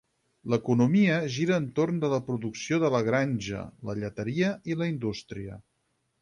L'economia gira entorn de la producció de la granja, la lleteria i la indústria.